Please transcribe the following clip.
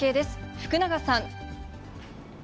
福永さん。